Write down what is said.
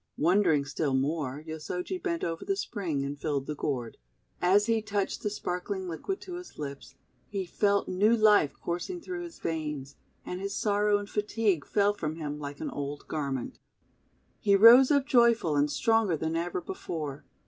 Wondering still more, Yosoji bent over the spring, and filled the gourd. As he touched the sparkling liquid to his lips he felt new life cours ing through his veins, and his sorrow and fatigue fell from him like an old garment. He rose up joyful, and stronger than ever before.